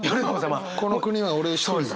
この国は俺一人だ。